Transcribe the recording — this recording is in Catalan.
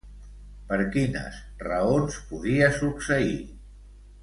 Per quines raons podia succeir?